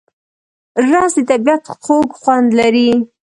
رس د طبیعت خوږ خوند لري